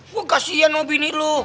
gue kasihan mau bini lu